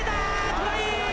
トライ。